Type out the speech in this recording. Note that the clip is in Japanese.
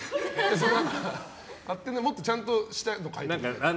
もっとちゃんとしたの書いてよ。